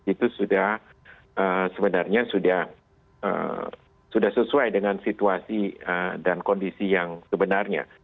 itu sudah sebenarnya sudah sesuai dengan situasi dan kondisi yang sebenarnya